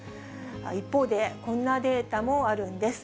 一方で、こんなデータもあるんです。